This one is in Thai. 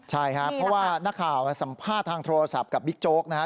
ใช่ครับเพราะว่านักข่าวสัมภาษณ์ทางโทรศัพท์กับบิ๊กโจ๊กนะฮะ